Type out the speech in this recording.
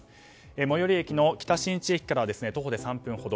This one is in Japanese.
最寄り駅の北新地駅から徒歩で３分ほど。